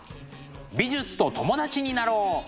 美術と友達になろう！